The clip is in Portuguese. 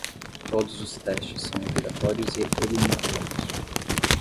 Todos os testes são obrigatórios e eliminatórios.